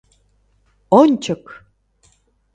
Ончык!